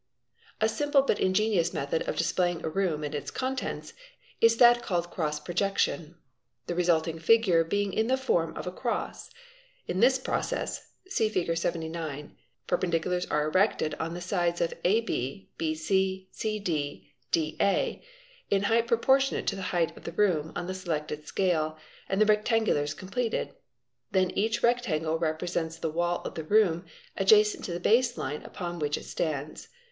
| A simple but ingenious method of displaying a room and its contents — is that called "' cross projection"; the resulting figure being in the form of — across. In this process, see Fig. 79, perpendiculars are erected on the sides a b, b c, c d, d a, in height proportionate to the height of the room on the selected scale, and the rectangles completed. Then each rectangle — represents the wall of the room adjacent to the base line upon which it stands.